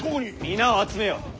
皆を集めよ。